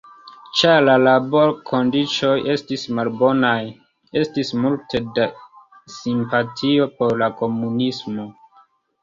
Ĉar la laborkondiĉoj estis malbonaj, estis multe da simpatio por la komunismo.